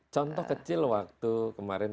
contoh kecil waktu kemarin